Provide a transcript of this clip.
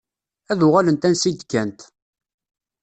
Ad uɣalent ansa i d-kkant.